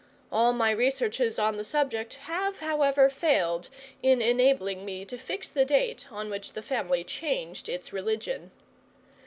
All my researches on the subject have, however, failed in enabling me to fix the date on which the family changed its religion.